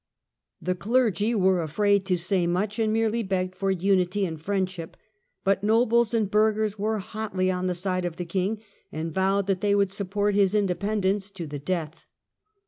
The clergy were afraid to say much, and merely begged for unity and friendship, but nobles and burghers were hotly on the side of the King, and vowed that they would support his independence to the death.